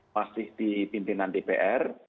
masih di pimpinan dpr